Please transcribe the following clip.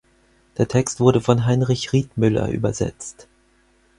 Der Text wurde von Heinrich Riethmüller übersetzt.